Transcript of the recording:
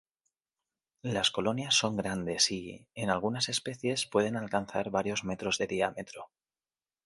Las colonias son grandes y, en algunas especies, pueden alcanzar varios metros de diámetro.